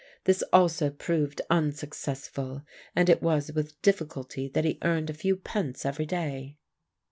This also proved unsuccessful, and it was with difficulty that he earned a few pence every day.